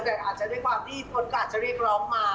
แต่อาจจะด้วยความที่คนก็อาจจะเรียกร้องมา